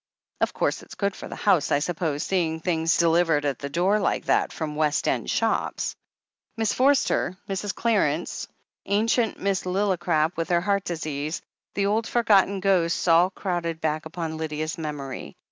"Of course, it's good for the house, I suppose, seeing things delivered at the door like that from West End shops." Miss Forster — Mrs. Clarence — ^ancient Miss Lilli crap, with her heart disease — ^the old, forgotten ghosts all crowded back upon Lydia's memory.